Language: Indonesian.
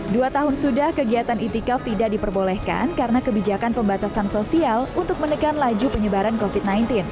dua tahun sudah kegiatan itikaf tidak diperbolehkan karena kebijakan pembatasan sosial untuk menekan laju penyebaran covid sembilan belas